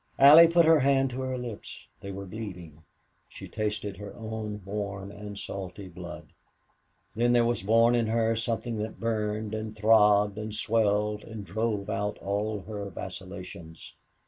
Allie put her hand to her lips. They were bleeding. She tasted her own warm and salty blood. Then there was born in her something that burned and throbbed and swelled and drove out all her vacillations.